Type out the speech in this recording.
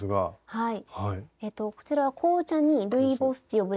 はい。